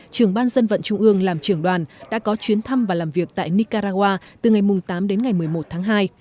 trưởng ban dân vận trung ương làm trưởng đoàn đã có chuyến thăm và làm việc tại nicaragua từ ngày tám đến ngày một mươi một tháng hai